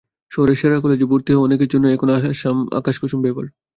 শহরের সেরা কলেজে ভর্তি হওয়া অনেকের জন্যই এখন আকাশ-কুসুম ব্যাপার।